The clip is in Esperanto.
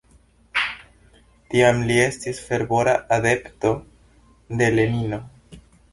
Tiam li estis fervora adepto de Lenino.